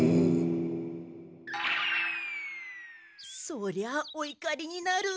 そりゃあおいかりになる。